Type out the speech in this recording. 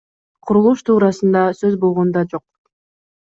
Курулуш туурасында сөз болгон да жок.